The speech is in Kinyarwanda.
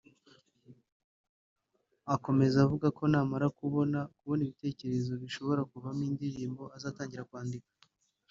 Akomeza avuga ko namara kubona kubona ibitekerezo bishobora kuvamo indirimbo azatangira kwandika